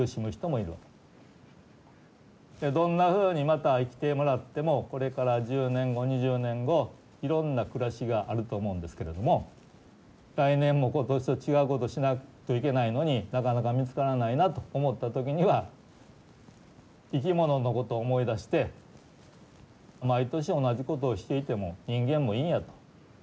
どんなふうにまた生きてもらってもこれから１０年後２０年後いろんな暮らしがあると思うんですけれども来年も今年と違うことしないといけないのになかなか見つからないなと思った時には生き物のことを思い出して毎年同じことをしていても人間もいいんやと。